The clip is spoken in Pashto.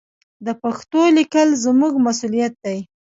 د پښتو لیکل زموږ مسوولیت دی.